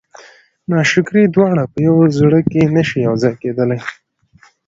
ناشکري دواړه په یوه زړه کې نه شي یو ځای کېدلی.